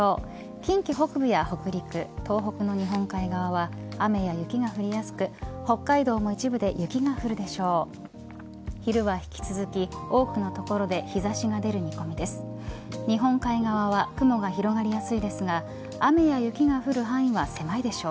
近畿北部や北陸東北の日本海側は雨や雪が降りやすく北海道も一部で雪が降るでしょう。